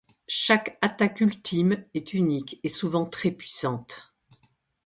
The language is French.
Chaque attaque ultime est unique et souvent très puissante.